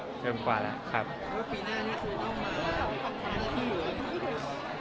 ปีหน้านี้ของคุณพอมาทั้งทางอะไรก็คิดไหม